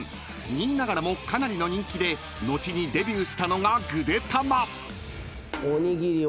［２位ながらもかなりの人気で後にデビューしたのがぐでたま］